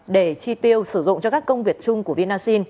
để chi tiêu sử dụng cho các công ty